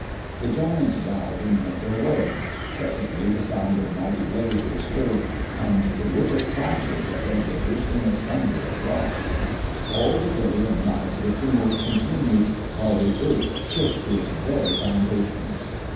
The giants bowed and went their way. Presently the sound of mighty blows was heard, and terrific crashes as of the bursting asunder of rocks. All that day and night the tumult continued, while the earth shook to its very foundations.